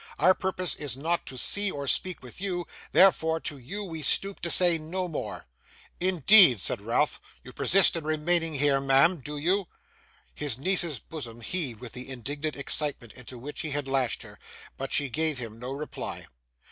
Our purpose is not to see or speak with you; therefore to you we stoop to say no more.' 'Indeed!' said Ralph. 'You persist in remaining here, ma'am, do you?' His niece's bosom heaved with the indignant excitement into which he had lashed her, but she gave him no reply.